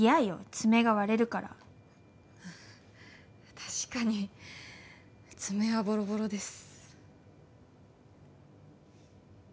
爪が割れるから確かに爪はボロボロです